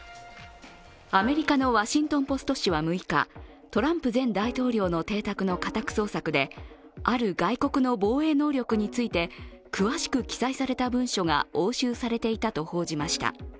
アメリカの「ワシントン・ポスト」紙は６日、トランプ前大統領の邸宅の家宅捜索である外国の防衛能力について、詳しく記載された文書が押収されていたと報じました。